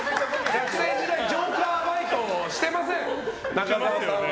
学生時代ジョーカーバイトしてません中沢さんは。